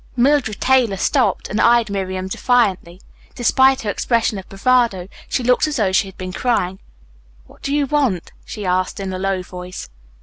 Mildred Taylor stopped and eyed Miriam defiantly. Despite her expression of bravado, she looked as though she had been crying. "What do you want?" she asked in a low voice.